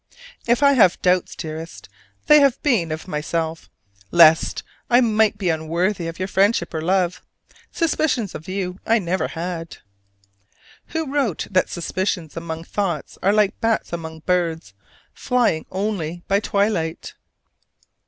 If I have had doubts, dearest, they have been of myself, lest I might be unworthy of your friendship or love. Suspicions of you I never had. Who wrote that suspicions among thoughts are like bats among birds, flying only by twilight?